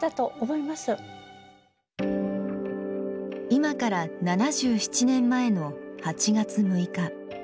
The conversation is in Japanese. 今から７７年前の８月６日。